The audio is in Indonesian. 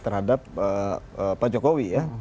terhadap pak jokowi ya